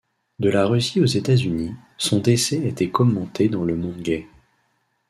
De la Russie aux États-Unis, son décès a été commenté dans le monde gay.